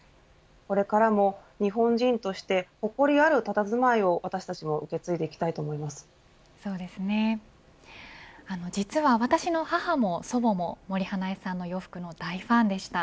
これからも日本人として誇りあるたたずまいを私たちも実は私の母も祖母も森英恵さんの洋服の大ファンでした。